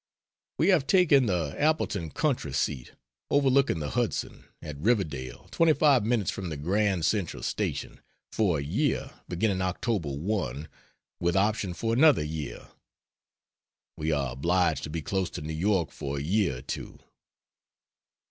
We have taken the Appleton country seat, overlooking the Hudson, at Riverdale, 25 minutes from the Grand Central Station, for a year, beginning Oct. 1, with option for another year. We are obliged to be close to New York for a year or two.